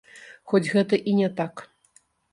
Хоць гэта і не так.